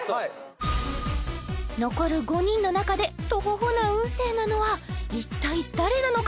残る５人の中でトホホな運勢なのは一体誰なのか？